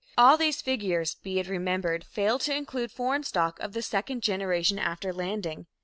All these figures, be it remembered, fail to include foreign stock of the second generation after landing.